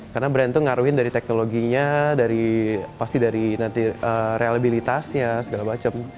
karena brand itu ngaruhin dari teknologinya dari pasti dari nanti reliability nya segala macam